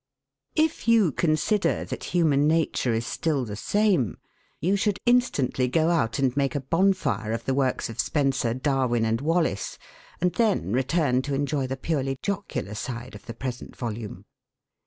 If you consider that human nature is still the same you should instantly go out and make a bonfire of the works of Spencer, Darwin, and Wallace, and then return to enjoy the purely jocular side of the present volume.